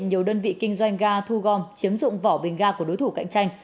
nhiều đơn vị kinh doanh ga thu gom chiếm dụng vỏ bình ga của đối thủ cạnh tranh